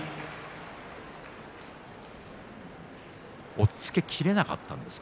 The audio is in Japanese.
押っつけきれなかったんですか